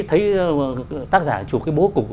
thấy tác giả chụp bố cục